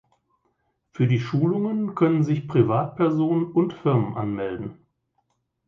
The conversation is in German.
Für die Schulungen können sich Privatpersonen und Firmen anmelden.